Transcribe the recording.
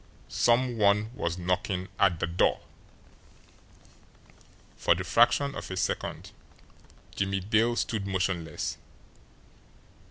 SOME ONE WAS KNOCKING AT THE DOOR! For the fraction of a second Jimmie Dale stood motionless.